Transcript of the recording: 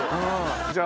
じゃあ。